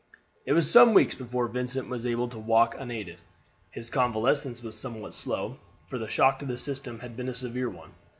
It was some weeks before Vincent was able to walk unaided. His convalescence was somewhat slow, for the shock to the system had been a severe one.